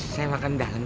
saya makan dalam